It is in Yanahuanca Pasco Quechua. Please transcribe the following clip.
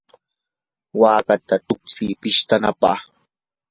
waakata tuksiy pistanapaq.